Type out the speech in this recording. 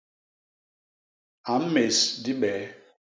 A mmés dibee.